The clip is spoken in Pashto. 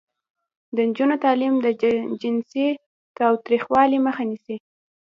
د نجونو تعلیم د جنسي تاوتریخوالي مخه نیسي.